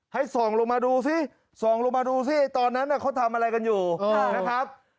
ส่องลงมาดูสิส่องลงมาดูสิตอนนั้นเขาทำอะไรกันอยู่นะครับ